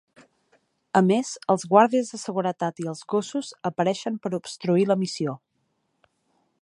A més, els guàrdies de seguretat i els gossos apareixen per obstruir la missió.